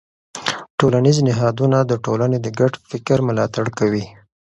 ټولنیز نهادونه د ټولنې د ګډ فکر ملاتړ کوي.